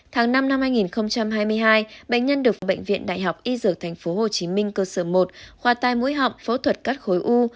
tháng năm năm hai nghìn hai mươi hai bệnh nhân được bệnh viện đại học y dược tp hcm cơ sở một khoa tai mũi họng phẫu thuật cắt khối u